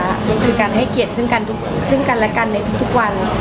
มันคือมีการให้เกียรติซึ่งกันและกันในทุกวัน